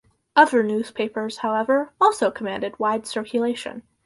Other newspapers, however, also commanded wide circulation.